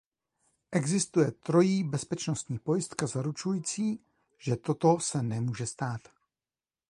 Existuje trojí bezpečnostní pojistka zaručující, že toto se nemůže stát.